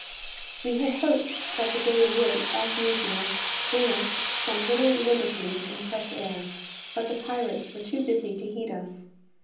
We had hoped that the day would, as usual, bring us some little liberty and fresh air; but the pirates were too busy to heed us.